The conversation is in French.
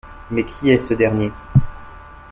Mais qui est ce dernier?